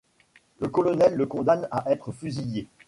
Le colonel le condamne à être fusillé.